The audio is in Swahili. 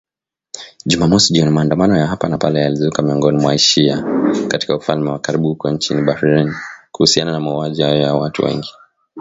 Jumamosi jioni maandamano ya hapa na pale yalizuka miongoni mwa wa-shia katika ufalme wa karibu huko nchini Bahrain, kuhusiana na mauaji hayo ya watu wengi